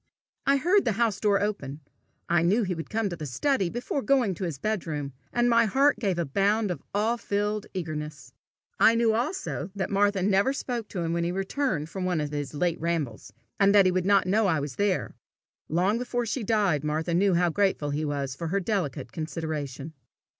I heard the house door open. I knew he would come to the study before going to his bedroom, and my heart gave a bound of awe filled eagerness. I knew also that Martha never spoke to him when he returned from one of his late rambles, and that he would not know I was there: long before she died Martha knew how grateful he was for her delicate consideration.